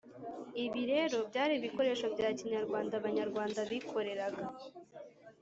ibi rero byari ibikoresho bya kinyarwanda abanyarwanda bikoreraga